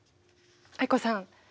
藍子さん